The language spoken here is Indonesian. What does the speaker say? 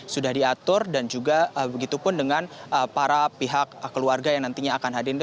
sudah diatur dan juga begitupun dengan para pihak keluarga yang nantinya akan hadir